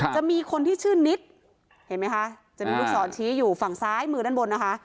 จะมีคนที่ชื่อนิดเห็นไหมคะจะมีลูกศรชี้อยู่ฝั่งซ้ายมือด้านบนนะคะ